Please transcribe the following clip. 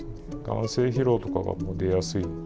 眼精疲労とかが出やすい。